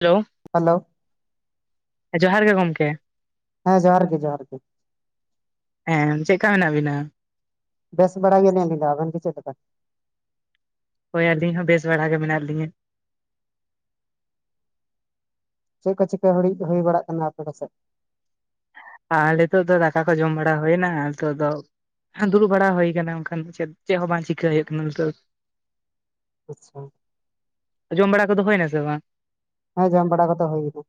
Hello, hello, ᱡᱚᱦᱟᱨ ᱜᱮ ᱜᱚᱢᱠᱮ᱾ ᱦᱮᱸ ᱡᱚᱦᱟᱨ ᱜᱮ ᱡᱚᱦᱟᱨᱜ ᱜᱮ᱾ ᱦᱮᱸ ᱪᱮᱫᱠᱟ ᱢᱮᱱᱟᱜ ᱵᱤᱱᱟ? ᱵᱮᱥ ᱵᱟᱲᱟᱟ ᱜᱮ ᱱᱤᱭᱟᱹ ᱫᱚ ᱟᱵᱮᱱ ᱜᱮ ᱪᱮᱫ ᱞᱮᱠᱟ? ᱦᱳᱭ ᱟᱹᱞᱤᱧ ᱦᱚᱸ ᱵᱮᱥ ᱵᱟᱲᱟᱟ ᱜᱮ ᱢᱮᱱᱟᱜ ᱞᱤᱧᱟᱹ᱾ ᱪᱮᱫ ᱠᱚ ᱪᱤᱠᱟᱹ ᱦᱩᱲᱤᱡ ᱦᱩᱭ ᱵᱟᱲᱟᱜ ᱠᱟᱱᱟ ᱟᱯᱮ ᱠᱚ ᱥᱮᱫ? ᱟᱨ ᱱᱤᱛᱚᱜ ᱫᱚ ᱫᱟᱠᱟ ᱠᱚ ᱡᱚᱢ ᱵᱟᱲᱟ ᱦᱩᱭᱱᱟ ᱱᱤᱛᱚᱜ ᱫᱚ, ᱦᱮᱸ ᱫᱩᱲᱩᱵ ᱵᱟᱲᱟ ᱦᱩᱭ ᱠᱟᱱᱟ ᱵᱟᱠᱷᱟᱱ ᱫᱚ ᱪᱮᱫ ᱪᱮᱫ ᱦᱚᱸ ᱵᱟᱝ ᱪᱤᱠᱟᱹᱭ ᱦᱩᱭᱩᱜ ᱠᱟᱱᱟ ᱱᱤᱛᱚᱜ ᱫᱚ᱾ ᱟᱪᱪᱷᱟ, ᱡᱚᱢ ᱵᱟᱲᱟ ᱠᱚᱫᱚ ᱦᱩᱭᱱᱟ ᱥᱮ ᱵᱟᱝ? ᱦᱮᱸ ᱡᱚᱢ ᱵᱟᱲᱟ ᱠᱚᱫᱚ ᱦᱩᱭᱟᱱᱟ᱾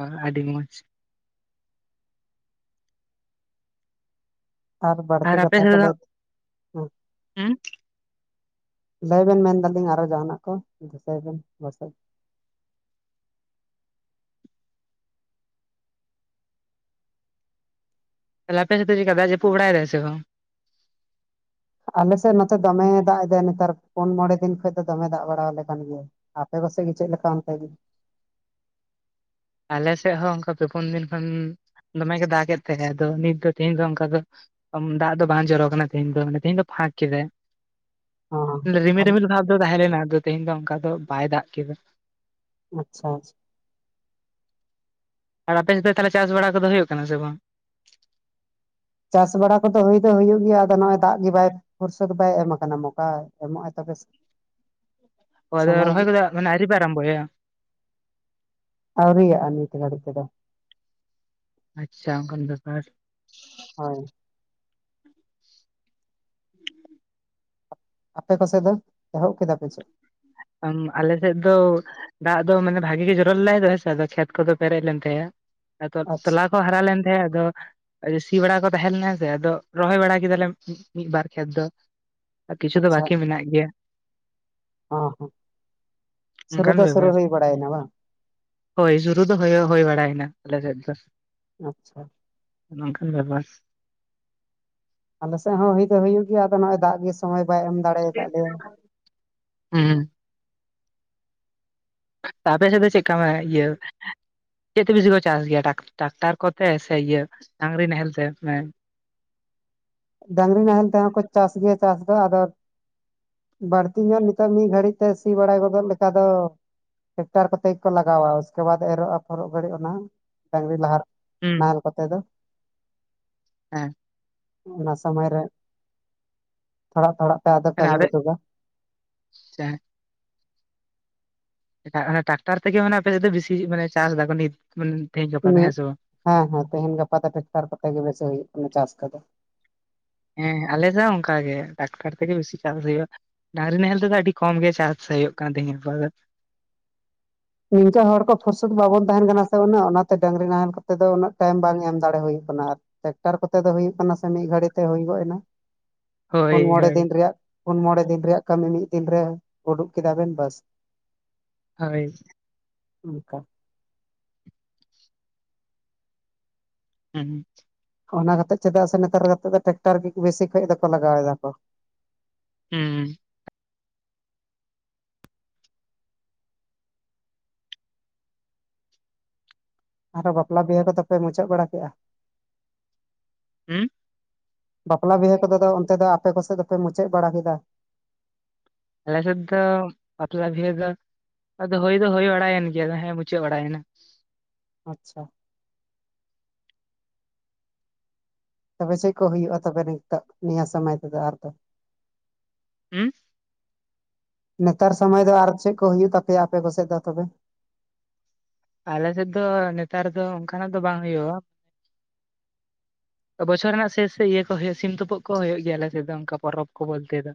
ᱚ ᱟᱹᱰᱤ ᱢᱚᱡᱽ, ᱟᱨ ᱵᱟᱲᱛᱤ ᱟᱯᱮ ᱠᱟᱛᱷᱟ ᱥᱮᱫ ᱠᱚ ᱫᱚ ᱞᱟᱹᱭ ᱦᱩᱸ ᱞᱟᱹᱭ ᱵᱮᱱ ᱢᱮᱱᱫᱟᱞᱤᱧ ᱟᱨᱦᱚ ᱡᱟᱦᱟᱱᱟᱜ ᱠᱚ ᱫᱤᱥᱟᱹᱭ ᱵᱮᱱ? ᱛᱟᱦᱮ ᱟᱯᱮ ᱥᱮᱫ ᱫᱚ ᱪᱮᱠᱟ ᱫᱟᱜ ᱡᱟᱹᱯᱩ ᱵᱟᱲᱟᱭ ᱫᱟᱭ ᱥᱮ ᱵᱟᱝ? ᱟᱞᱮᱥᱮᱫ ᱱᱚᱛᱮ ᱫᱚᱢᱮ ᱫᱟᱜ ᱮᱫᱟᱭ ᱱᱮᱛᱟᱨ ᱯᱩᱱ ᱢᱚᱬᱮ ᱫᱤᱱ ᱠᱷᱚᱱ ᱫᱚ ᱫᱚᱢᱮ ᱫᱟᱜ ᱵᱟᱲᱟᱣᱟᱞᱮ ᱠᱟᱱ ᱜᱮᱭᱟ᱾ ᱟᱯᱮ ᱠᱚᱥᱮᱜ ᱜᱮ ᱪᱮᱫ ᱞᱮᱠᱟ ᱚᱱᱛᱮ ᱜᱮ? ᱟᱞᱮ ᱥᱮᱫ ᱦᱚᱸ ᱚᱱᱠᱟ ᱯᱮ ᱯᱩᱱ ᱫᱤᱱ ᱠᱷᱚᱱ ᱫᱚᱢᱮ ᱜᱮ ᱫᱟᱜ ᱮᱫ ᱛᱟᱦᱮᱸᱫ ᱟᱫᱚ ᱱᱤᱛ ᱫᱚ ᱛᱮᱦᱤᱧ ᱫᱚ ᱚᱱᱠᱟ ᱫᱚ, ᱫᱟᱜ ᱫᱚ ᱵᱟᱝ ᱡᱚᱨᱚᱜ ᱠᱟᱱᱟ ᱛᱮᱦᱮᱧ ᱫᱚ, ᱛᱤᱦᱤᱧ ᱫᱚ ᱯᱷᱟᱸᱠ ᱠᱮᱫᱟ᱾ ᱚ ᱨᱤᱢᱤᱞ ᱟᱪᱪᱷᱟ ᱨᱤᱢᱤᱞ ᱵᱷᱟᱵ ᱫᱚ ᱛᱟᱦᱮᱸᱞᱮᱱᱟ ᱟᱫᱚ ᱛᱮᱦᱤᱧ ᱫᱚ ᱚᱱᱠᱟ ᱫᱚ ᱵᱟᱭ ᱫᱟᱜ ᱠᱮᱫᱟ᱾ ᱟᱪᱪᱷᱟ ᱟᱨ ᱟᱯᱮ ᱥᱮᱫ ᱫᱚ ᱛᱟᱦᱚᱞᱮ ᱪᱟᱥ ᱵᱟᱲᱟ ᱠᱚᱫᱚ ᱦᱩᱭᱩᱜ ᱠᱟᱱᱟ ᱥᱮ ᱵᱟᱝ? ᱪᱟᱥ ᱵᱟᱲᱟ ᱠᱚᱫᱚ ᱦᱩᱭ ᱫᱚ ᱦᱩᱭᱩᱜ ᱜᱮᱭᱟ ᱟᱫᱚ ᱱᱚᱜᱚᱭ ᱫᱟᱜ ᱜᱮ ᱵᱟᱭ ᱯᱷᱚᱨᱥᱚ ᱫᱚ ᱵᱟᱭ ᱮᱢ ᱟᱠᱟᱱᱟ ᱢᱳᱠᱟᱭ ᱮᱢᱚᱜᱼ ᱟᱭ ᱛᱚᱵᱮ ᱥᱮ? ᱚ ᱟᱫᱚ ᱨᱚᱦᱚᱭ ᱠᱚᱫᱚ ᱢᱟᱱᱮ ᱟᱹᱭᱨᱤ ᱯᱮ ᱟᱨᱚᱢᱵᱚᱭᱟ? ᱟᱭᱨᱤᱭᱟᱜ-ᱟ ᱱᱤᱛ ᱜᱟᱹᱲᱤᱡ ᱛᱮᱫᱚ, ᱟᱪᱪᱷᱟ ᱚᱱᱠᱟᱱ ᱵᱮᱯᱟᱨ? ᱦᱳᱭ᱾ ᱟᱯᱮ ᱠᱚᱥᱮᱫ ᱫᱚ ᱮᱦᱚᱵ ᱠᱮᱫᱟ ᱯᱮ ᱪᱮᱫ? ᱟᱞᱮ ᱥᱮᱫ ᱫᱚ, ᱫᱟᱜ ᱫᱚ ᱢᱟᱱᱮ ᱵᱷᱟᱜᱤ ᱜᱮ ᱡᱚᱨᱚ ᱞᱮᱟᱭ ᱫᱚ ᱦᱮᱸ ᱥᱮ ᱟᱫᱚ ᱠᱷᱮᱛ ᱠᱚᱫᱚ ᱯᱮᱨᱮᱡ ᱞᱮᱱ ᱛᱟᱭᱟ ᱟᱫᱚ ᱟᱪᱪᱷᱟ ᱛᱞᱟ ᱠᱚ ᱦᱟᱨᱟ ᱞᱮᱱ ᱛᱟᱦᱮᱸ ᱟᱫᱚ ᱟ ᱥᱤ ᱵᱟᱲᱟ ᱠᱚ ᱛᱟᱦᱮᱸ ᱞᱮᱱᱟ ᱥᱮ ᱟᱫᱚ ᱨᱚᱦᱚᱭ ᱵᱟᱲᱟ ᱠᱮᱫᱟᱞᱮ ᱢᱤᱫ ᱵᱟᱨ ᱠᱷᱮᱛ ᱫᱚ᱾ ᱟᱨ ᱠᱤᱪᱷᱩ ᱫᱚ ᱵᱟᱠᱤ ᱢᱮᱱᱟᱜ ᱜᱮᱭᱟ᱾ ᱚ ᱦᱚᱸ ᱾ ᱚᱱᱠᱟᱱ ᱵᱮᱵᱟᱨ ᱦᱳᱭ ᱥᱩᱨᱩ ᱫᱚ ᱦᱭ ᱵᱟᱲᱟᱭᱮᱱᱟ ᱟᱞᱮ ᱥᱮᱫ ᱫᱚ᱾ ᱟᱪᱪᱷᱟ᱾ ᱱᱚᱝᱠᱟᱱ ᱵᱮᱯᱟᱨ ᱾ ᱟᱞᱮᱥᱮᱫ ᱦᱚᱸ ᱦᱩᱭ ᱫᱚ ᱦᱩᱭᱩᱜ ᱜᱮᱭᱟ ᱟᱫᱚ ᱱᱚᱜ ᱚᱭ ᱫᱟᱜ ᱜᱮ ᱥᱚᱢᱚᱭ ᱵᱟᱭ ᱮᱢ ᱫᱟᱲᱮ ᱟᱠᱟᱫ ᱞᱮᱭᱟ ᱦᱩᱸ᱾ ᱟᱯᱮ ᱥᱮᱫ ᱫᱚ ᱪᱮᱫᱠᱟ ᱢᱮ ᱤᱭᱟᱹ ᱪᱮᱫ ᱛᱮ ᱵᱤᱥᱤ ᱠᱚ ᱪᱟᱥ ᱜᱮᱭᱟ ᱴᱟᱠᱴᱟᱨ ᱠᱚᱛᱮ ᱥᱮ ᱤᱭᱟᱹ ᱰᱟᱝᱨᱤ ᱱᱟᱦᱮᱞ ᱛᱮ? ᱰᱟᱝᱨᱤ ᱱᱟᱦᱮᱞ ᱛᱮᱦᱚᱸ ᱠᱚ ᱪᱟᱥ ᱜᱮᱭᱟ ᱪᱟᱥ ᱫᱚ ᱟᱫᱚ ᱵᱟᱹᱲᱛᱤ ᱧᱚᱜ ᱱᱤᱛᱚᱜ ᱢᱤᱫ ᱜᱷᱟᱹᱲᱤᱡ ᱛᱮ ᱥᱤ ᱵᱟᱲᱟᱭ ᱜᱚᱫᱚᱜ ᱞᱮᱠᱟ ᱫᱚ ᱴᱮᱠᱴᱟᱨ ᱠᱚᱛᱮ ᱜᱮᱠᱚ ᱞᱟᱜᱟᱣᱟ ᱩᱥᱠᱮ ᱵᱟᱫᱽ ᱮᱨᱚᱜ ᱟᱯᱷᱚᱨᱚᱜ ᱜᱷᱟᱹᱲᱤᱡ ᱚᱱᱟ ᱰᱟᱝᱨᱤ ᱞᱟᱦᱟ ᱟᱨ ᱟᱯᱮ ᱫᱚ? ᱦᱮᱸ ᱚᱱᱟ ᱥᱚᱢᱚᱭ ᱨᱮ ᱛᱷᱚᱲᱟ ᱛᱷᱚᱲᱟ ᱯᱮ ᱟᱫᱚ ᱠᱟᱹᱢᱤ ᱩᱴᱩᱠᱟ᱾ ᱪ [unintelligible] ᱚᱱᱟ ᱴᱟᱠᱴᱟᱨ ᱛᱮ ᱜᱮ ᱢᱟᱱᱮ ᱟᱯᱮ ᱥᱮᱫ ᱫᱚ ᱵᱤᱥᱤ ᱢᱟᱱᱮ ᱪᱟᱥ ᱫᱟᱠᱚ ᱱᱤᱛ ᱛᱮᱦᱤᱧ ᱜᱟᱯᱟ ᱫᱚ ᱦᱮᱸ ᱥᱮ ᱵᱟᱝ? ᱦᱮᱸ ᱦᱮᱸ ᱛᱮᱦᱮᱧ ᱜᱟᱯᱟ ᱫᱚ ᱴᱮᱠᱴᱟᱨ ᱠᱚ ᱛᱮ ᱜᱮ ᱵᱮᱥᱤ ᱦᱩᱭᱩᱜ ᱠᱟᱱᱟ ᱪᱟᱥ ᱠᱚ ᱫᱚ᱾ ᱦᱮᱸ ᱟᱞᱮ ᱫᱚ ᱚᱱᱠᱟ ᱜᱮ ᱴᱟᱠᱴᱟᱨ ᱛᱮᱜᱮ ᱵᱮᱥᱤ ᱪᱟᱥ ᱦᱩᱭᱩᱜᱼᱟ᱾ ᱰᱟᱝᱨᱤ ᱱᱟᱦᱮᱞ ᱛᱮ ᱫᱚ ᱟᱹᱰᱤ ᱠᱚᱢ ᱜᱮ ᱪᱟᱥ ᱦᱩᱭᱩᱜ ᱠᱟᱱᱟ ᱛᱮᱦᱮᱧ ᱜᱟᱯᱟ ᱫᱚ᱾ ᱱᱤᱝᱠᱟᱹ ᱦᱚᱲ ᱠᱚ ᱯᱷᱩᱨᱥᱚᱛ ᱵᱟᱵᱚᱱ ᱛᱟᱦᱮᱸᱱ ᱠᱟᱱᱟ ᱥᱮ ᱩᱱᱟᱹᱜ ᱚᱱᱟ ᱛᱮ ᱰᱟᱺᱝᱨᱤ ᱱᱟᱦᱮᱞ ᱠᱚ ᱛᱮ ᱫᱚ ᱩᱱᱟᱹᱜ ᱴᱟᱭᱤᱢ ᱵᱟᱝ ᱮᱢ ᱫᱟᱲᱮ ᱦᱩᱭᱩᱜ ᱠᱟᱱᱟ ᱟᱨ᱾ ᱴᱮᱠᱴᱟᱨ ᱠᱚᱛᱮ ᱫᱚ ᱦᱩᱭᱩᱜ ᱠᱟᱱᱟ ᱥᱮ ᱢᱤᱫ ᱜᱷᱟᱹᱲᱤ ᱛᱮ ᱦᱩᱭ ᱜᱚᱫ ᱮᱱᱟ᱾ ᱦᱳᱭ ᱯᱩᱱ ᱢᱚᱬᱮ ᱦᱳᱭ ᱫᱤᱱ ᱨᱮᱭᱟᱜ ᱯᱩᱱ ᱢᱚᱬᱮ ᱫᱤᱱ ᱨᱮᱭᱟᱜ ᱠᱟᱹᱢᱤ ᱢᱤᱫ ᱫᱤᱱ ᱨᱮ ᱩᱰᱩᱠ ᱠᱮᱫᱟ ᱵᱤᱱ ᱵᱟᱹᱥ᱾ ᱦᱳᱭ᱾ ᱚᱱᱠᱟ᱾ ᱦᱮᱸ᱾ ᱚᱱᱟ ᱠᱟᱛᱮᱫ ᱪᱮᱫᱟᱜ ᱥᱮ ᱱᱮᱛᱟᱨ ᱠᱟᱛᱮᱜ ᱫᱚ ᱴᱨᱟᱠᱴᱟᱨ ᱜᱮᱠᱚ ᱵᱮᱥᱤ ᱠᱷᱚᱡ ᱫᱚ ᱠᱚ ᱞᱟᱜᱟᱣ ᱫᱟ ᱠᱚ᱾ ᱦᱩᱸ᱾ ᱟᱫᱚ ᱵᱟᱯᱞᱟ ᱵᱤᱦᱟᱹ ᱠᱚ ᱫᱚ ᱯᱮ ᱢᱩᱪᱟᱹᱫ ᱵᱟᱲᱟ ᱠᱮᱜᱼᱟ? ᱦᱩᱸ ᱵᱟᱯᱞᱟ ᱵᱤᱦᱟᱹ ᱠᱚ ᱫᱚ ᱟᱫᱚ ᱚᱱᱛᱮ ᱫᱚ ᱟᱯᱮ ᱠᱚᱥᱮᱫ ᱫᱚ ᱯᱮ ᱢᱩᱪᱟᱹᱫ ᱵᱟᱲᱟ ᱠᱮᱫᱟ? ᱟᱞᱮ ᱥᱮᱫ ᱫᱚ ᱵᱟᱯᱞᱟ ᱵᱤᱦᱟᱹ ᱫᱚ ᱟᱫᱚ ᱦᱩᱭ ᱫᱚ ᱦᱩᱭ ᱵᱟᱲᱟᱭᱮᱱ ᱜᱮᱭᱟ ᱦᱮᱸ ᱢᱩᱪᱟᱹᱫ ᱵᱟᱲᱟᱭᱮᱱᱟ᱾ ᱟᱪᱪᱷᱟ᱾ ᱛᱚᱵᱮ ᱪᱮᱫ ᱠᱚ ᱦᱩᱭᱩᱜᱼᱟ ᱛᱚᱵᱮ ᱱᱤᱛᱚᱜ ᱱᱤᱭᱟᱹ ᱥᱚᱢᱚᱭ ᱛᱮᱫᱚ ᱟᱨ ᱫᱚ? ᱦᱩᱸ ᱱᱮᱛᱟᱨ ᱥᱚᱢᱚᱭ ᱫᱚ ᱟᱨ ᱪᱮᱫ ᱠᱚ ᱦᱩᱭᱩᱜ ᱛᱟᱯᱮᱭᱟ ᱟᱯᱮ ᱠᱚᱥᱮᱫ ᱫᱚ ᱛᱚᱵᱮ? ᱟᱞᱮ ᱥᱮᱫ ᱫᱚ ᱱᱮᱛᱟᱨ ᱫᱚ ᱚᱱᱠᱟᱱᱟᱜ ᱫᱚ ᱵᱟᱝ ᱦᱩᱭᱩᱜᱼᱟ᱾ ᱵᱚᱪᱷᱚᱨ ᱨᱮᱱᱟᱜ ᱥᱮᱥ ᱥᱮᱫ ᱤᱭᱟᱹ ᱠᱚ ᱦᱩᱭᱩᱜᱼᱟ ᱥᱤᱢ ᱛᱩᱯᱩᱜ ᱠᱚ ᱦᱩᱭᱩᱜ ᱜᱮᱭᱟ ᱟᱞᱮ ᱥᱮᱫ ᱫᱚ ᱚᱱᱠᱟ ᱯᱚᱨᱚᱵᱽ ᱠᱚ ᱵᱚᱞᱛᱮ ᱫᱚ᱾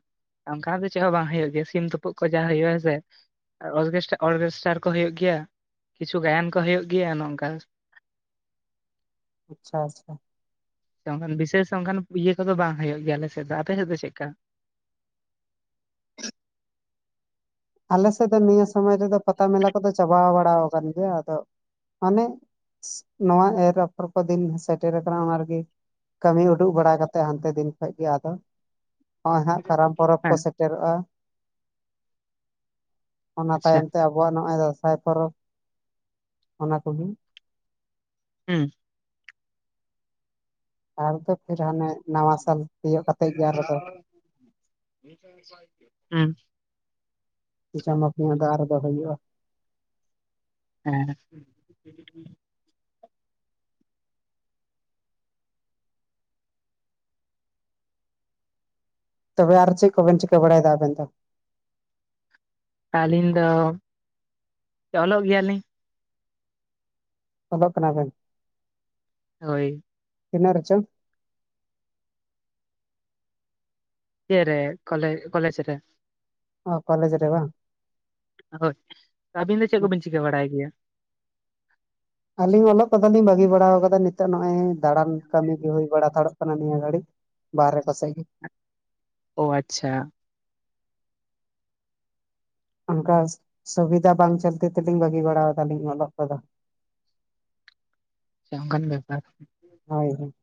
ᱚᱱᱠᱟ ᱫᱚ ᱪᱮᱫ ᱦᱚᱸ ᱵᱟᱝ ᱦᱩᱭᱩᱜ ᱜᱮᱭᱟ ᱥᱤᱢ ᱛᱩᱯᱩᱜ ᱠᱚ ᱡᱟ ᱦᱩᱭᱩᱜᱼᱟ ᱦᱮᱥᱮ᱾ ᱟᱨ ᱚᱨᱠᱮᱥᱴ ᱚᱨᱠᱮᱥᱴᱟᱨ ᱠᱚ ᱦᱩᱭᱩᱜ ᱜᱮᱭᱟ᱾ ᱠᱤᱪᱷᱩ ᱜᱟᱭᱟᱱ ᱠᱚ ᱦᱩᱭᱩᱜ ᱜᱮᱭᱟ ᱱᱚᱝᱠᱟ᱾ ᱟᱪᱪᱷᱟ ᱟᱪᱪᱷᱟ᱾ ᱚᱱᱠᱟᱱ ᱵᱤᱥᱮᱥ ᱚᱱᱠᱟᱱ ᱤᱭᱟᱹ ᱠᱚ ᱫᱚ ᱵᱟᱝ ᱦᱩᱭᱩᱜ ᱜᱮᱭᱟ ᱟᱞᱮ ᱥᱮᱫ ᱫᱚ, ᱟᱯᱮ ᱥᱮᱫ ᱫᱚ ᱪᱮᱫ ᱠᱟ? ᱟᱞᱮ ᱥᱮᱫ ᱫᱚ ᱱᱤᱭᱟᱹ ᱥᱚᱢᱚᱭ ᱨᱮᱫᱚ ᱯᱟᱛᱟ ᱢᱮᱞᱟ ᱠᱚ ᱫᱚ ᱪᱟᱵᱟ ᱵᱟᱲᱟ ᱠᱟᱱ ᱜᱮᱭᱟ, ᱟᱫᱚ ᱢᱟᱱᱮ ᱱᱚᱣᱟ ᱮᱨ ᱟᱯᱷᱚᱨ ᱠᱚ ᱫᱤᱱ ᱥᱮᱴᱮᱨ ᱠᱟᱱᱟ ᱚᱱᱟ ᱨᱮ ᱜᱤ, ᱠᱟᱹᱢᱤ ᱩᱰᱩᱜ ᱵᱟᱲᱟ ᱠᱟᱛᱮ ᱦᱟᱱᱛᱮ ᱫᱤᱱ ᱠᱷᱚᱡ ᱜᱮ ᱟᱫᱚ, ᱱᱚᱜᱼᱚᱭ ᱦᱟᱸᱜ ᱠᱟᱨᱟᱢ ᱯᱚᱨᱚᱵᱽ ᱠᱚ ᱦᱮᱸ ᱥᱮᱴᱮᱨᱚᱜᱼᱟ᱾ ᱚᱱᱟ ᱟᱪᱪᱷᱟ ᱛᱟᱭᱚᱢ ᱛᱮ ᱟᱵᱚᱣᱟᱜ ᱱᱚᱜᱼᱚᱭ ᱫᱟᱸᱥᱟᱭ ᱯᱚᱨᱚᱵᱽ ᱚᱱᱟ ᱠᱚ ᱜᱤ, ᱦᱩᱸ ᱟᱨ ᱫᱚ ᱯᱷᱤᱨ ᱦᱟᱱᱮ ᱱᱟᱣᱟ ᱥᱟᱞ ᱛᱤᱭᱳᱜ ᱠᱟᱛᱮᱜ ᱜᱮ ᱟᱨᱚ ᱫᱚ ᱦᱩᱸ ᱪᱟᱢᱯᱤᱭ ᱱᱤᱭᱟᱹ ᱫᱷᱟᱣ ᱟᱨ ᱫᱚᱦᱚᱭ ᱦᱩᱭᱩᱜᱼᱟ ᱦᱮᱸ ᱛᱚᱵᱮ ᱟᱨ ᱪᱮᱫ ᱠᱚᱵᱮᱱ ᱪᱤᱠᱟᱹ ᱵᱟᱲᱟᱭ ᱮᱫᱟ ᱟᱵᱮᱱ ᱫᱚ? ᱟᱹᱞᱤᱧ ᱫᱚ ᱚᱞᱚᱜ ᱜᱮᱭᱟᱞᱤᱧ, ᱚᱞᱚᱜ ᱠᱟᱱᱟ ᱵᱮᱱ? ᱦᱳᱭ ᱛᱤᱱᱟ‍ᱹᱜ ᱨᱮ ᱪᱚᱝ? ᱤᱭᱟᱹ ᱨᱮ ᱠᱚᱞᱮ ᱠᱚᱞᱮᱡᱽ ᱨᱮ, ᱚ ᱠᱚᱞᱮᱡᱽ ᱨᱮ ᱵᱟᱝ? ᱦᱳᱭ, ᱟᱹᱵᱤᱱ ᱫᱚ ᱪᱮᱫ ᱠᱚᱵᱤᱱ ᱪᱤᱠᱟᱹ ᱵᱟᱰᱟᱭ ᱜᱮᱭᱟ? ᱟᱹᱞᱤᱧ ᱚᱞᱚᱜ ᱠᱚᱫᱚ ᱞᱤᱧ ᱵᱟᱹᱜᱤ ᱵᱟᱲᱟ ᱟᱠᱟᱫᱟ, ᱱᱤᱛᱚᱜ ᱱᱚᱜ ᱚᱭ ᱫᱟᱬᱟᱱ ᱠᱟᱹᱢᱤ ᱜᱮ ᱦᱩᱭ ᱵᱟᱲᱟ ᱛᱷᱟᱲᱚᱜ ᱠᱟᱱᱟ ᱱᱤᱭᱟᱹ ᱜᱷᱟᱹᱲᱤᱡ, ᱵᱟᱨᱦᱮ ᱠᱚᱥᱮᱡ ᱜᱮ, ᱚ ᱟᱪᱪᱷᱟ, ᱚᱱᱠᱟ ᱥᱩᱵᱤᱫᱷᱟ ᱵᱟᱝ ᱪᱚᱞᱛᱤ ᱛᱮᱞᱤᱧ ᱵᱟᱹᱜᱤ ᱵᱟᱲᱟ ᱫᱟᱞᱤᱧ ᱚᱞᱚᱜ ᱠᱚ ᱫᱚ᱾ ᱚᱱᱠᱟᱱ ᱵᱮᱯᱟᱨ, ᱦᱳᱭ, ᱦᱳᱭ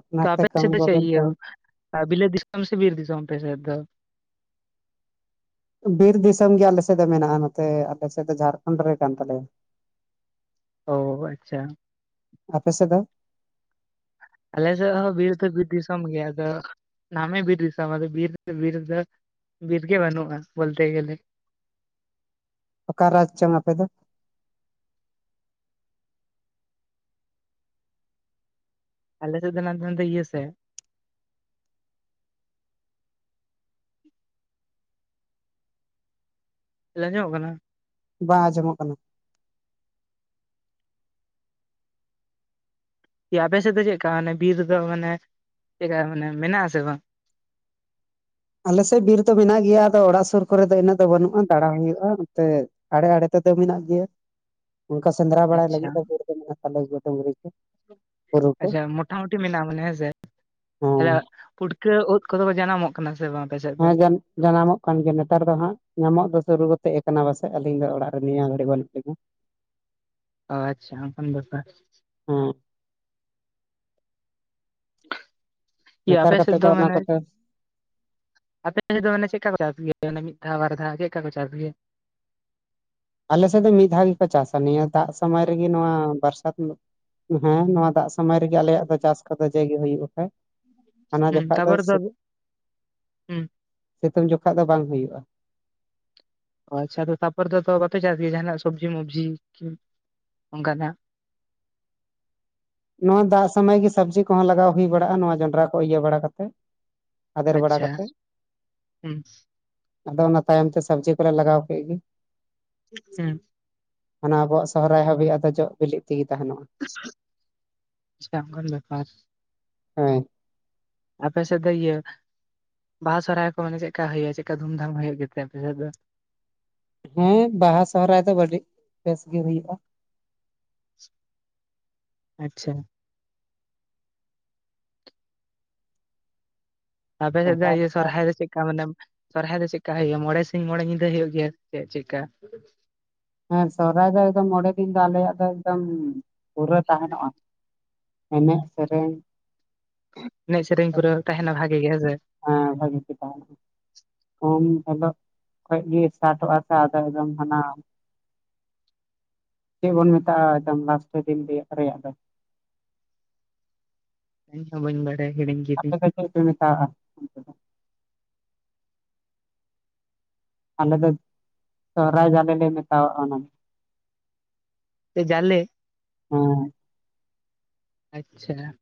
ᱚᱱᱟᱛᱮ ᱠᱟᱯᱮ ᱠᱟᱹᱢᱤ ᱥᱮᱫ ᱫᱚ ᱪᱮᱭ ᱵᱟᱵᱮᱱ ᱤᱭᱟᱹ, ᱠᱟᱹᱢᱤ ᱵᱤᱞᱟᱛ ᱫᱤᱥᱚᱢ ᱥᱮ ᱵᱤᱨ ᱫᱤᱥᱚᱢ ᱟᱯᱮᱥᱮᱫ ᱫᱚ? ᱵᱤᱨ ᱫᱤᱥᱚᱢ ᱜᱮ ᱟᱞᱮᱥᱮᱫ ᱫᱚ ᱢᱮᱱᱟᱜᱼᱟ, ᱱᱚᱛᱮ ᱟᱯᱮᱥᱮᱫ ᱫᱚ ᱡᱷᱟᱲᱠᱷᱚᱸᱰ ᱨᱮ ᱠᱟᱱ ᱛᱟᱞᱮᱭᱟ᱾ ᱚ ᱟᱪᱪᱷᱟ᱾ ᱟᱯᱮᱥᱮᱫ ᱫᱚ? ᱟᱞᱮᱥᱮᱫ ᱦᱚᱸ ᱵᱤᱨ ᱫᱚ ᱵᱤᱨ ᱫᱤᱥᱚᱢ ᱜᱮ, ᱟᱫᱚ ᱱᱟᱢᱮ ᱵᱤᱨ ᱫᱤᱥᱚᱢ, ᱵᱤᱨ ᱵᱤᱨ ᱫᱟᱹ ᱵᱤᱨ ᱜᱮ ᱵᱟᱹᱱᱩᱜᱼᱟ ᱵᱚᱞᱛᱮ ᱜᱮᱞᱮ ᱾ ᱚᱠᱟ ᱨᱟᱡᱽ ᱪᱚᱝ ᱟᱯᱮ ᱫᱚ? ᱟᱞᱮ ᱫᱚ ᱠᱟᱱᱟᱞᱮ ᱚᱱᱛᱮ ᱤᱭᱟᱹ ᱥᱮᱜ, ᱞᱟᱸᱡᱚᱜ ᱠᱟᱱᱟ? ᱵᱟᱝ ᱟᱸᱡᱚᱢᱚᱜ ᱠᱟᱱᱟ᱾ ᱡᱮ ᱟᱯᱮᱥᱮᱫ ᱫᱚ ᱪᱮᱫᱠᱟ ᱢᱟᱱᱮ ᱵᱤᱨᱫᱚ, ᱢᱟᱱᱮ ᱪᱮᱫᱠᱟ ᱢᱟᱱᱮ ᱢᱮᱱᱟᱜ ᱟᱥᱮ ᱵᱟᱝ? ᱟᱞᱮᱥᱮᱫ ᱵᱤᱨ ᱫᱚ ᱢᱮᱱᱟᱜ ᱜᱮᱭᱟ, ᱟᱫᱚ ᱚᱲᱟᱜ ᱥᱩᱨ ᱠᱚᱨᱮ ᱫᱚ ᱤᱱᱟᱹᱜ ᱫᱚ ᱵᱟᱹᱱᱩᱜᱼᱟ ᱫᱟᱬᱟ ᱦᱩᱭᱩᱜᱼᱟ᱾ ᱛᱮ ᱟᱲᱮ ᱟᱲᱮ ᱛᱮᱫᱚ ᱢᱮᱱᱟᱜ ᱜᱮᱭᱟ, ᱚᱱᱠᱟ ᱥᱮᱸᱫᱽᱨᱟ ᱵᱟᱲᱟᱭ ᱟᱪᱪᱷᱟ ᱞᱟᱹᱜᱤᱫ ᱫᱚ ᱵᱤᱨ ᱢᱮᱱᱟᱜ ᱛᱟᱞᱮ ᱜᱮᱭᱟ ᱰᱩᱝᱨᱤ ᱠᱩ᱾ ᱟᱪᱪᱷᱟ ᱢᱳᱴᱟᱢᱩᱴᱤ ᱢᱮᱱᱟᱜᱼᱟ ᱢᱟᱱᱮ ᱦᱮᱸᱥᱮ ᱦᱮᱸ [unintelligible] ᱯᱩᱴᱠᱟᱹ ᱩᱫ ᱠᱚᱫᱚ ᱠᱚ ᱡᱟᱱᱟᱢᱚᱜ ᱠᱟᱱᱟ ᱥᱮ ᱵᱟᱝ? ᱟᱯᱮ ᱥᱮᱫ ᱫᱚ ᱦᱮᱸ ᱡᱟᱹᱱᱤᱡ ᱡᱟᱱᱟᱢᱚᱜ ᱫᱚᱠᱟᱱ ᱜᱮ ᱱᱮᱛᱟᱨ ᱫᱚ ᱦᱟᱸᱜ ᱧᱟᱢᱚᱜ ᱫᱚ ᱥᱩᱨᱩ ᱠᱟᱛᱮᱜ ᱠᱟᱱᱟ ᱯᱟᱥᱮ ᱟᱹᱞᱤᱧ ᱫᱚ ᱚᱲᱟᱜ ᱨᱮ ᱱᱮᱭᱟ ᱜᱷᱟᱹᱲᱤ ᱵᱟᱹᱱᱩᱜ ᱞᱤᱧᱟᱹ᱾ ᱚ ᱟᱪᱪᱷᱟ ᱚᱝᱠᱟᱱ ᱵᱮᱯᱟᱨ, ᱦᱩᱸ ᱠᱤ ᱱᱮᱛᱟᱨ ᱟᱯᱮ ᱥᱮᱫ ᱠᱟᱛᱮᱫ ᱫᱚ ᱚᱱᱟ ᱢᱟᱱᱮ ᱠᱚᱫᱚ ᱟᱯᱮ ᱥᱮᱫ ᱫᱚ ᱢᱟᱱᱮ ᱪᱮᱫ ᱞᱮᱠᱟ ᱠᱚ ᱪᱟᱥ ᱜᱮᱭᱟ ᱚᱱᱮ ᱢᱤᱫ ᱫᱷᱟᱣ ᱵᱟᱨ ᱫᱷᱟᱣ ᱪᱮᱫ ᱠᱚ ᱪᱟᱥ ᱜᱮᱭᱟ? ᱟᱞᱮᱥᱮᱫ ᱫᱚ ᱢᱤᱫ ᱫᱷᱟᱣ ᱜᱮᱠᱚ ᱪᱟᱥᱟ ᱱᱤᱭᱟᱹ ᱫᱟᱜ ᱥᱚᱢᱚᱭ ᱨᱮᱜᱮ ᱱᱚᱣᱟ [unintelligible] ᱦᱮᱸ ᱱᱚᱣᱟ ᱫᱟᱜ ᱥᱚᱢᱚᱭ ᱨᱮᱜᱮ ᱟᱞᱮᱭᱟᱜ ᱫᱚ ᱪᱟᱥ ᱠᱚᱫᱚ ᱡᱟᱜᱮ ᱦᱩᱭᱩᱜ-ᱟ ᱥᱮ ᱦᱟᱱᱟ ᱦᱩᱸ ᱡᱚᱠᱷᱟ ᱫᱚ, ᱛᱟᱯᱚᱨ ᱦᱩᱸ ᱥᱤᱛᱩᱝ ᱡᱚᱠᱷᱟ ᱫᱚ ᱵᱟᱝ ᱦᱩᱭᱩᱜᱼᱟ᱾ ᱚ ᱟᱪᱪᱷᱟ ᱛᱟᱨᱯᱚᱨ ᱫᱚᱛᱚ ᱵᱟᱯᱮ ᱪᱟᱥ ᱜᱮᱭᱟ ᱡᱟᱦᱟᱱᱟᱜ ᱥᱚᱵᱡᱤ ᱢᱚᱵᱡᱤ ᱚᱱᱠᱟᱱᱟᱜ? ᱱᱚᱣᱟ ᱫᱟᱜ ᱥᱚᱢᱚᱭ ᱜᱮ ᱥᱚᱵᱽᱡᱤ ᱠᱚᱦᱚᱸ ᱞᱟᱜᱟᱣ ᱦᱩᱭ ᱵᱟᱲᱟᱜᱼᱟ ᱱᱚᱶᱟ ᱡᱚᱱᱰᱨᱟ ᱠᱚ ᱤᱭᱟᱹ ᱵᱟᱲᱟ ᱠᱟᱛᱮᱫ᱾ ᱟᱫᱮᱨ ᱵᱟᱲᱟ ᱟᱪᱪᱷᱟ ᱠᱟᱛᱮᱜ᱾ ᱦᱩᱸ ᱟᱫᱚ ᱚᱱᱟ ᱛᱟᱭᱚᱢ ᱛᱮ ᱥᱚᱵᱽᱡᱤ ᱠᱚᱞᱮ ᱞᱟᱜᱟᱣ ᱠᱮᱜ ᱜᱮ᱾ ᱦᱮᱸ ᱢᱟᱱᱮ ᱟᱵᱚᱣᱟᱜ ᱥᱚᱦᱨᱟᱭ ᱦᱟᱹᱵᱤᱡ ᱟᱫᱚ ᱡᱚᱜ ᱵᱤᱞᱤᱜ ᱛᱮᱜᱮ ᱛᱟᱦᱮᱱᱚᱜᱼᱟ᱾ [unintelligible] ᱟᱪᱪᱷᱟ ᱚᱱᱠᱟᱱ ᱵᱮᱯᱟᱨ ᱦᱮᱸ ᱟᱯᱮᱥᱮᱫ ᱫᱚ ᱤᱭᱟᱹ, ᱵᱟᱦᱟ ᱥᱚᱦᱨᱟᱭ ᱠᱚ ᱢᱟᱱᱮ ᱪᱮᱫᱠᱟ ᱦᱩᱭᱩᱜᱼᱟ ᱪᱮᱫᱠᱟ ᱫᱷᱩᱢᱫᱷᱟᱢ ᱦᱩᱭᱩᱜ ᱜᱮᱛᱮ ᱟᱯᱮᱥᱮᱫ ᱫᱚ? ᱦᱮᱸ ᱵᱟᱦᱟ ᱥᱚᱦᱨᱟᱭ ᱫᱚ ᱟᱹᱰᱤ ᱵᱮᱥ ᱜᱤ ᱦᱩᱭᱩᱜᱼᱟ᱾ ᱟᱪᱪᱷᱟ ᱟᱯᱮ ᱥᱮᱫ ᱫᱚ ᱤᱭᱟᱹ ᱥᱚᱦᱨᱟᱭ ᱫᱚ ᱪᱮᱫ ᱠᱟ ᱢᱟᱱᱮ ᱥᱚᱨᱦᱟᱭ ᱫᱚ ᱪᱮᱫᱠᱟ ᱦᱩᱭᱩᱜᱼᱟ ᱢᱚᱬᱮ ᱥᱤᱧ ᱢᱚᱬᱮ ᱧᱤᱫᱟᱹ ᱦᱩᱭᱩᱜ ᱜᱮᱭᱟ ᱪᱮᱫ ᱪᱮᱫᱠᱟ? ᱦᱮᱸ ᱥᱚᱦᱨᱟᱭ ᱫᱚ ᱮᱠᱫᱚᱢ ᱢᱚᱬᱮ ᱫᱤᱱ ᱫᱚ ᱟᱞᱮᱭᱟᱜ ᱫᱚ ᱮᱠᱫᱚᱢ ᱯᱩᱨᱟᱹ ᱛᱟᱦᱮᱱᱚᱜᱼᱟ᱾ ᱮᱱᱮᱡ ᱥᱮᱨᱮᱧ ᱮᱱᱮᱡ ᱥᱮᱨᱮᱧ ᱯᱩᱨᱟᱹ ᱛᱟᱦᱮᱱᱟ ᱵᱷᱟᱜᱤ ᱜᱮ ᱦᱮᱸ ᱥᱮ? ᱦᱮ ᱵᱷᱟᱹᱜᱤ ᱜᱮ ᱛᱟᱦᱮᱱᱟ᱾ ᱩᱢ ᱦᱤᱞᱳᱜ ᱠᱷᱚᱡ ᱜᱮ ᱮᱥᱴᱟᱴᱚᱜᱼᱟ ᱛᱚ ᱟᱫᱚ ᱮᱠᱫᱚᱢ ᱦᱟᱱᱟ ᱪᱮᱫ ᱵᱚᱱ ᱢᱮᱛᱟᱜᱼᱟ ᱮᱠᱫᱚᱢ ᱞᱟᱥᱴ ᱫᱤᱱ ᱨᱮᱭᱟᱜ ᱨᱮᱭᱟᱜ ᱫᱚ? ᱤᱧ ᱦᱚ ᱵᱟᱧ ᱵᱟᱰᱟᱭᱟ ᱦᱤᱲᱤᱧ ᱟᱯᱮ ᱠᱤᱫᱤᱧ ᱫᱚ ᱪᱮᱫ ᱯᱮ ᱢᱮᱛᱟᱣᱟᱜ-ᱟ? ᱟᱞᱮ ᱫᱚ ᱥᱚᱦᱨᱟᱭ ᱡᱟᱞᱮ ᱢᱮᱛᱟᱣᱟᱜ-ᱟ ᱚᱱᱟ ᱾ [unintelligible] ᱡᱟᱞᱮ ᱦᱩᱸ ᱟᱪᱪᱷᱟ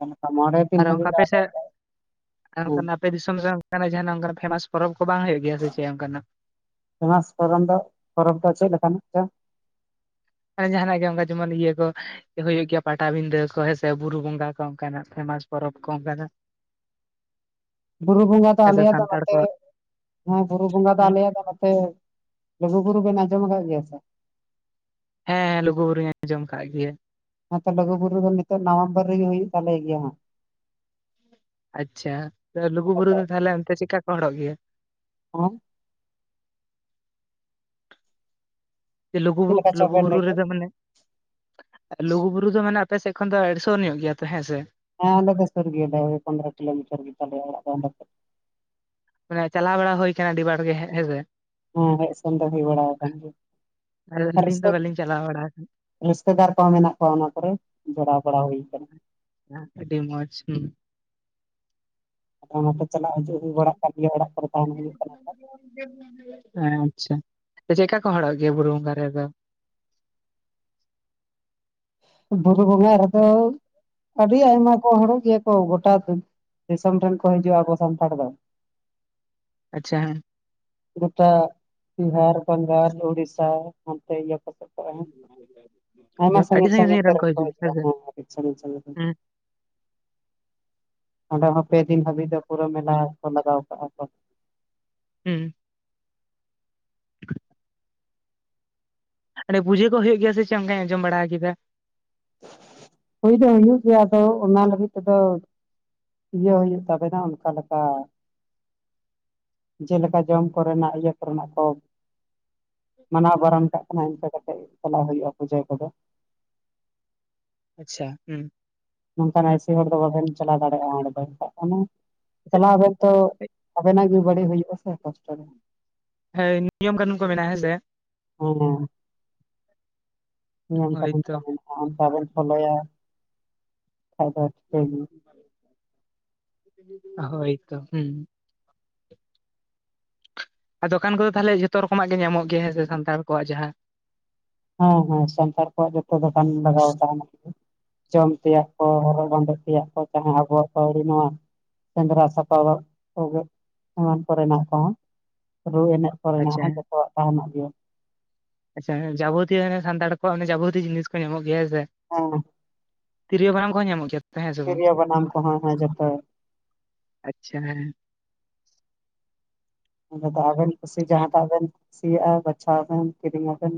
ᱦᱮᱸ ᱢᱚᱬᱮ ᱫᱤᱱ ᱟᱨ ᱚᱱᱠᱟ ᱦᱟᱹᱵᱤᱡ ᱫᱚ ᱟᱯᱮ ᱥᱮᱫ, ᱟᱞᱮᱭᱟᱜ ᱫᱚ ᱦᱮᱸ ᱚᱱᱠᱟᱱᱟᱜ ᱟᱯᱮ ᱫᱤᱥᱚᱢ ᱥᱮᱫ ᱚᱱᱠᱟᱱᱟᱜ ᱡᱟᱦᱱᱟᱜ ᱚᱱᱠᱟ ᱯᱷᱮᱢᱟᱥ ᱯᱚᱨᱚᱵᱽ ᱠᱚ ᱵᱟᱝ ᱦᱩᱭᱩᱜ ᱜᱮᱭᱟ ᱥᱮ ᱪᱮᱫ ᱚᱱᱠᱟᱱᱟᱜ? ᱯᱷᱮᱢᱟᱥ ᱯᱚᱨᱚᱱ ᱫᱚ ᱯᱚᱨᱚᱵᱽ ᱫᱚ ᱪᱮᱫ ᱞᱮᱠᱟᱱᱟᱜ ᱪᱚ? ᱢᱟᱱᱮ ᱡᱟᱦᱟᱱᱟᱜ ᱜᱮ ᱚᱱᱠᱟ ᱡᱮᱢᱚᱱ ᱤᱭᱟᱹ ᱠᱚ ᱦᱩᱭᱩᱜ ᱜᱮᱭᱟ ᱯᱟᱴᱟᱵᱤᱸᱫᱟᱹ ᱠᱚ ᱦᱮᱸᱥᱮ ᱵᱩᱨᱩ ᱵᱚᱸᱜᱟ ᱠᱚ ᱚᱱᱠᱟᱱᱟᱜ ᱯᱷᱮᱢᱟᱥ ᱯᱚᱨᱚᱵᱽ ᱠᱚ ᱚᱱᱠᱟᱱᱟᱜ? [inaudible] ᱵᱩᱨᱩ ᱵᱚᱸᱜᱟ ᱫᱚ ᱦᱮᱸ ᱥᱮ ᱟᱞᱮᱭᱟᱜ ᱫᱚ ᱥᱟᱱᱛᱟᱲ ᱱᱚᱛᱮ ᱠᱚᱣᱟᱜ ᱦᱮᱸ ᱵᱩᱨᱩ ᱵᱚᱸᱜᱟ ᱫᱚ ᱦᱮᱸ ᱟᱞᱮᱭᱟᱜ ᱱᱚᱛᱮ, ᱞᱩᱜᱩ ᱵᱩᱨᱩ ᱵᱮᱱ ᱟᱸᱡᱚᱢ ᱟᱠᱟᱫ ᱜᱮᱭᱟ ᱛᱚ? ᱦᱮᱸ ᱦᱮᱸ ᱞᱩᱜᱩ ᱵᱩᱨᱩᱧ ᱟᱸᱡᱚᱢ ᱠᱟᱜ ᱜᱮᱭᱟ᱾ ᱱᱚᱛᱮ ᱞᱩᱜᱩ ᱵᱩᱨᱩ ᱫᱚ ᱱᱤᱛᱚᱜ ᱱᱚᱵᱷᱮᱢᱵᱚᱨ ᱨᱮᱜᱮ ᱦᱩᱭᱩᱜ ᱛᱟᱞᱮ ᱜᱮᱭᱟ ᱦᱟᱸᱜ᱾ ᱟᱪᱪᱷᱟ ᱞᱩᱜᱩ ᱟᱞᱮ ᱵᱩᱨᱩ ᱫᱚ ᱦᱮᱸ ᱛᱟᱦᱚᱞᱮ ᱚᱱᱛᱮ ᱪᱤᱫᱠᱟ ᱠᱚ ᱦᱚᱲᱚᱜ ᱜᱮᱭᱟ? ᱦᱮᱸ? ᱞᱩᱜᱩ ᱪᱮᱫ ᱞᱮᱠᱟ ᱪᱚᱵᱮ ᱞᱩᱜᱩᱵᱩᱨᱩ ᱞᱟᱹᱭ ᱠᱮᱫ ᱨᱮᱫᱚ ᱢᱟᱱᱮ ᱞᱩᱜᱩ ᱵᱩᱨᱩ ᱫᱚ ᱢᱟᱱᱮ ᱟᱯᱮ ᱥᱮᱫ ᱠᱷᱚᱱ ᱫᱚ ᱫᱩᱨ ᱧᱚᱜ ᱜᱮᱭᱟ ᱛᱚ ᱦᱮᱸ ᱥᱮ? ᱦᱮᱸ ᱟᱞᱮ ᱫᱚ ᱥᱳᱨ ᱜᱮᱭᱟ [unintelligible] ᱯᱚᱱᱫᱨᱚ ᱠᱤᱞᱳᱢᱤᱴᱚᱨ ᱜᱮᱛᱟᱞᱮᱭᱟ ᱚᱲᱟᱜ ᱫᱚ᱾ ᱢᱟᱱᱮ ᱪᱟᱞᱟᱣ ᱵᱟᱲᱟ ᱦᱩᱭ ᱟᱠᱟᱱᱟ ᱟᱹᱤᱰ ᱵᱟᱨ ᱜᱮ ᱦᱮᱸ ᱥᱮ? ᱦᱮᱸ ᱦᱮᱡ ᱥᱮᱱ ᱫᱚ ᱦᱩᱭ ᱵᱟᱲᱟ ᱟᱠᱟᱱ ᱜᱮᱭᱟ ᱟᱹᱞᱤᱧ ᱫᱚ [unintelligible] ᱵᱟᱹᱞᱤᱧ ᱪᱟᱞᱟᱣ ᱵᱟᱲᱟ ᱟᱠᱟᱱᱟ᱾ ᱨᱤᱥᱛᱮᱫᱟᱨ ᱠᱚᱦᱚᱸ ᱢᱮᱱᱟᱜ ᱠᱚᱣᱟ ᱚᱱᱟ ᱠᱚᱨᱮ ᱡᱚᱲᱟᱣ ᱵᱟᱲᱟ ᱦᱩᱭ ᱠᱟᱱᱟ᱾ ᱟᱹᱰᱤ ᱢᱚᱡᱽ ᱚᱱᱟᱛᱮ ᱪᱟᱞᱟᱜ ᱦᱤᱡᱩᱜ ᱦᱩᱭ ᱵᱟᱲᱟᱜ ᱠᱟᱱ ᱜᱮᱭᱟ ᱚᱲᱟᱜ ᱠᱚᱨᱮ ᱛᱟᱦᱮᱱ ᱦᱩᱭᱩᱜ ᱠᱟᱱᱟ ᱛᱚ, ᱦᱮᱸ ᱟᱪᱪᱷᱟ ᱪᱮᱫ ᱞᱮᱠᱟ ᱠᱚ ᱦᱚᱲᱚᱜ ᱜᱮᱭᱟ ᱵᱩᱨᱩ ᱵᱚᱸᱜᱟ ᱨᱮᱫᱚ? ᱵᱩᱨᱩ ᱵᱚᱸᱜᱟ ᱨᱮᱫᱚ ᱟᱹᱰᱤ ᱟᱭᱢᱟ ᱠᱚ ᱦᱚᱲ ᱜᱮᱭᱟ ᱠᱚ ᱜᱚᱴᱟ ᱫᱤᱥᱚᱢ ᱨᱮᱱ ᱠᱚ ᱦᱤᱡᱩᱜ-ᱟ ᱟᱵᱚ ᱥᱟᱱᱛᱟᱲ ᱫᱚ᱾ ᱟᱪᱪᱷᱟ ᱦᱮᱸ, ᱜᱚᱴᱟ ᱵᱤᱦᱟᱨ ᱵᱟᱝᱜᱟᱞ ᱳᱲᱤᱥᱟ ᱦᱟᱱᱛᱮ ᱤᱭᱟᱹ ᱠᱚ ᱥᱮᱫ ᱟᱭᱢᱟ ᱟᱹᱰᱤ ᱥᱟᱺᱜᱤᱧ ᱥᱟᱺᱜᱤᱧ ᱨᱮᱱ ᱠᱚᱨᱮᱱ ᱠᱚ ᱦᱤᱡᱩᱜ ᱜᱮᱭᱟ ᱦᱤᱡᱩᱜ-ᱟ ᱦᱮᱸ ᱥᱮ ᱦᱚᱸ ᱠᱟᱹᱴᱤᱡ ᱥᱟᱺᱜᱤᱧ ᱥᱟᱺᱜᱤᱧ ᱨᱮᱱ, ᱦᱩᱸ ᱚᱸᱰᱮ ᱦᱚᱸ ᱯᱮ ᱫᱤᱱ ᱦᱟᱹᱵᱤᱡ ᱫᱚ ᱯᱩᱨᱟᱹ ᱢᱮᱞᱟ ᱠᱚ ᱞᱟᱜᱟᱣ ᱠᱟᱜ-ᱟ ᱠᱚ᱾ ᱦᱩᱸ ᱚᱱᱰᱮ ᱯᱩᱡᱟᱹ ᱠᱚ ᱦᱩᱭᱩᱜ ᱜᱮᱭᱟ ᱥᱮ ᱪᱮᱫ ᱚᱱᱠᱟᱧ ᱟᱸᱡᱚᱢ ᱵᱟᱲᱟ ᱠᱮᱫᱟ? ᱦᱩᱭ ᱫᱚ ᱦᱩᱭᱩᱜ ᱜᱮᱭᱟ ᱟᱫᱚ ᱚᱱᱟ ᱞᱟᱹᱜᱤᱫ ᱛᱮᱫᱚ ᱤᱭᱟᱹ ᱦᱩᱭᱩᱜ ᱛᱟᱵᱮᱱᱟ ᱚᱱᱠᱟ ᱞᱮᱠᱟ ᱡᱮᱞᱮᱠᱟ ᱡᱚᱢ ᱠᱚᱨᱮᱱᱟᱜ ᱤᱭᱟᱹ ᱠᱚᱨᱮᱱᱟᱜ ᱠᱚ ᱢᱟᱱᱟᱣ ᱵᱟᱨᱚᱱ ᱠᱟᱜ ᱠᱟᱱᱟ ᱤᱱᱠᱟᱹ ᱠᱟᱛᱮᱫ ᱪᱟᱞᱟᱣ ᱦᱩᱭᱩᱜ-ᱟ ᱯᱩᱡᱟᱹ ᱠᱚᱫᱚ᱾ ᱟᱪᱪᱷᱟ, ᱦᱩᱸ ᱱᱚᱝᱠᱟᱱ ᱟᱹᱭᱥᱤ ᱦᱚᱲ ᱫᱚ ᱵᱟᱝ ᱵᱮᱱ ᱪᱟᱞᱟᱣ ᱫᱟᱲᱮᱭᱟᱜ-ᱟ ᱚᱸᱰᱮ ᱫᱚ [inaudible] ᱠᱟᱱᱟ ᱪᱟᱞᱟᱣ ᱟᱵᱮᱱ ᱛᱚ ᱟᱵᱮᱱᱟᱜ ᱜᱮ ᱵᱟᱹᱲᱤᱡ ᱦᱩᱭᱩᱜ ᱟᱥᱮ ᱠᱚᱥᱴᱚ ᱫᱚ᱾ ᱦᱮᱸ ᱱᱤᱭᱚᱢ ᱠᱟᱹᱱᱩᱱ ᱠᱚ ᱢᱮᱱᱟᱜ-ᱟ ᱦᱮᱸᱥᱮ? ᱦᱮᱸ ᱱᱤᱭᱚᱢ ᱠᱟᱹᱱᱩᱱ ᱦᱳᱭᱛᱚ ᱠᱚ ᱢᱮᱱᱟᱜ-ᱟ ᱚᱱᱠᱟ ᱵᱮᱱ ᱯᱷᱚᱞᱚᱭᱟ᱾ ᱦᱳᱭ ᱛᱚ, ᱦᱩᱸ ᱟᱨ ᱫᱚᱠᱟᱱ ᱠᱚᱫᱚ ᱛᱟᱦᱚᱞᱮ ᱡᱷᱚᱛᱚ ᱨᱚᱠᱚᱢᱟᱜ ᱜᱮ ᱧᱟᱢᱚᱜ ᱜᱮᱭᱟ ᱦᱮᱸ ᱥᱮ ᱥᱟᱱᱛᱟᱲ ᱠᱚᱣᱟᱜ ᱡᱟᱦᱟᱸ ᱦᱮᱸ ᱦᱮᱸ ᱥᱟᱱᱛᱟᱲ ᱠᱚᱣᱟᱜ ᱡᱚᱛᱚ ᱫᱚᱠᱟᱱ ᱞᱟᱜᱟᱣ ᱛᱟᱦᱮᱱᱟ᱾ ᱡᱚᱢ ᱛᱮᱭᱟᱜ ᱠᱚ ᱦᱚᱨᱚᱜ ᱵᱟᱸᱫᱮ ᱛᱮᱭᱟᱜ ᱠᱚ ᱡᱟᱦᱟᱸ ᱟᱵᱚᱣᱟᱜ ᱯᱟᱣᱲᱤ ᱢᱟ ᱥᱮᱸᱫᱽᱨᱟ ᱥᱟᱯᱟᱟᱣ ᱠᱚᱜᱮ ᱮᱢᱟᱱ ᱠᱚᱨᱮᱱᱟᱜ ᱠᱚᱦᱚᱸ ᱨᱩ ᱮᱱᱮᱡ ᱠᱚᱨᱮᱱᱟᱜ ᱟᱪᱪᱷᱟ ᱦᱚᱸ ᱦᱮᱸ ᱡᱚᱛᱚᱣᱟᱜ ᱛᱟᱦᱮᱱᱚᱜ ᱜᱮᱭᱟ᱾ ᱟᱪᱪᱷᱟ ᱡᱟᱵᱚᱛᱤᱭ ᱥᱟᱱᱛᱟᱲ ᱠᱚᱣᱟᱜ ᱡᱟᱵᱚᱛᱤᱭ ᱡᱤᱱᱤᱥ ᱠᱚ ᱧᱟᱢᱚᱜ ᱜᱮᱭᱟ ᱦᱮᱸ ᱥᱮ᱾ ᱦᱚᱸ ᱛᱤᱨᱭᱳ ᱵᱟᱱᱟᱢ ᱠᱚ ᱦᱚᱸ ᱧᱟᱢᱚᱜ ᱜᱮᱭᱟ? ᱦᱮᱸ ᱥᱮ ᱵᱟᱝ ᱛᱤᱨᱭᱳ ᱵᱟᱱᱟᱢ ᱠᱚᱦᱚᱸ ᱦᱮᱸ ᱡᱚᱛᱚ᱾ ᱟᱪᱪᱷᱟ ᱦᱮᱸ ᱚᱱᱰᱮ ᱫᱚ ᱟᱵᱮᱱ ᱠᱩᱥᱤ ᱡᱟᱦᱟᱸᱴᱟᱜ ᱵᱮᱱ ᱠᱩᱥᱤᱭᱟᱜ-ᱟ ᱵᱟᱪᱷᱟᱣ ᱵᱮᱱ ᱠᱤᱨᱤᱧᱟᱵᱮᱱ᱾